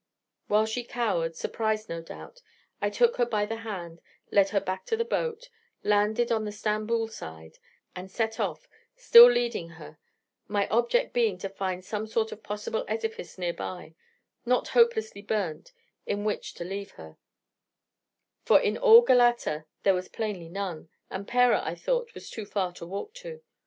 While she cowered, surprised no doubt, I took her by the hand, led her back to the boat, landed on the Stamboul side, and set off, still leading her, my object being to find some sort of possible edifice near by, not hopelessly burned, in which to leave her: for in all Galata there was plainly none, and Pera, I thought, was too far to walk to.